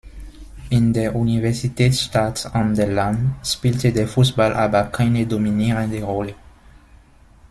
In der Universitätsstadt an der Lahn spielte der Fußball aber keine dominierende Rolle.